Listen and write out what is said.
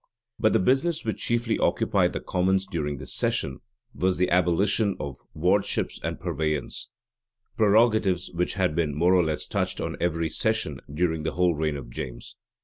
But the business which chiefly occupied the commons during this session, was the abolition of wardships and purveyance; prerogatives which had been more or less touched on every session during the whole reign of James.